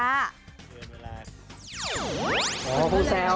แม่ก็ไม่เด็กแล้วนะพูดถึง